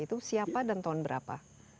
itu siapa dan tahun berapa